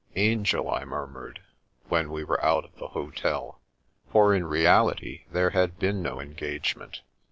" Angel/* I murmured, when we were out of the hotel, for in reality there had been no engagement.